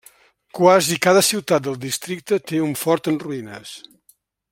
Quasi cada ciutat del districte té un fort en ruïnes.